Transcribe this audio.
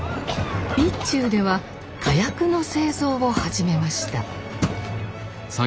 備中では火薬の製造を始めました。